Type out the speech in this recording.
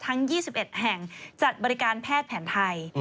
ทั้ง๒๑แห่งจัดบริการแพทย์แผนไทย